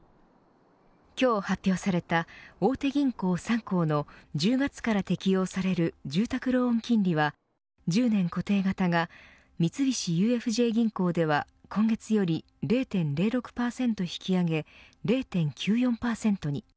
今日発表された、大手銀行３行の１０月から適用される住宅ローン金利は１０年固定型が三菱ＵＦＪ銀行では今月より０．０６％引き上げ０．９４％に。